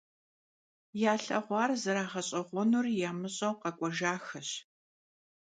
Yalheğuar zerağeş'eğuenur yamış'eu khek'uejjaxeş.